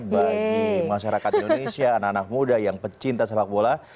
bagi masyarakat indonesia anak anak muda yang pecinta sepak bola